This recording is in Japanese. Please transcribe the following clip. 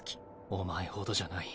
お前ほどじゃない。